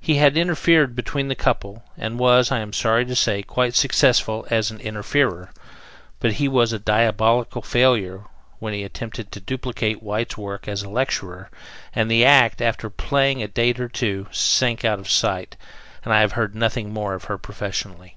He had interfered between the couple, and was, I am sorry to say, quite successful as an interferer; but he was a diabolical failure when he attempted to duplicate White's work as lecturer, and the act, after playing a date or two, sank out of sight and I have heard nothing more of her professionally.